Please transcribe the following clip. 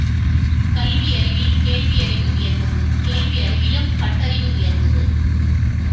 கல்வியறிவில் கேள்வியறிவு உயர்ந்தது கேள்வியறிவிலும் பட்டறிவு உயர்ந்தது.